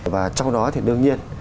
và trong đó thì đương nhiên